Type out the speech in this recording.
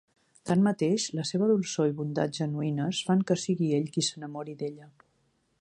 Tanmateix, la seva dolçor i bondat genuïnes fan que sigui ell qui s'enamori d'ella.